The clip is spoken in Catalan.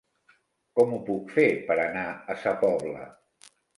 Com ho puc fer per anar a Sa Pobla?